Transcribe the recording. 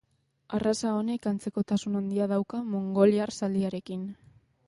Arraza honek antzekotasun handia dauka mongoliar zaldiarekin.